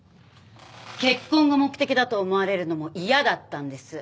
結婚が目的だと思われるのも嫌だったんです。